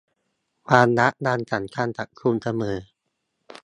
ความรักยังสำคัญกับคุณเสมอ